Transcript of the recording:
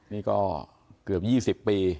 นี่ก็เกือบ๒๐ปี